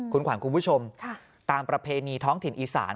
คุณขวัญคุณผู้ชมตามประเพณีท้องถิ่นอีสาน